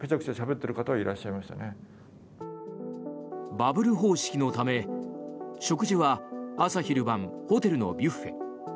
バブル方式のため食事は朝昼晩ホテルのビュッフェ。